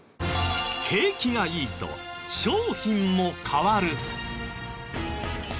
景気がいいと商品も変わる。